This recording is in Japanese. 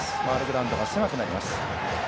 ファウルグラウンドが狭くなります。